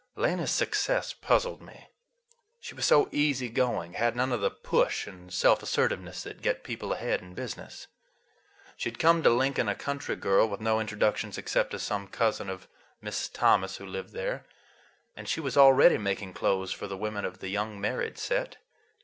Lena's success puzzled me. She was so easy going; had none of the push and self assertiveness that get people ahead in business. She had come to Lincoln, a country girl, with no introductions except to some cousins of Mrs. Thomas who lived there, and she was already making clothes for the women of "the young married set."